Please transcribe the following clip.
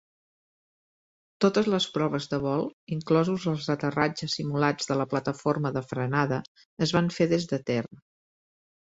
Totes les proves de vol, inclosos els aterratges simulats de la plataforma de frenada, es van fer des de terra.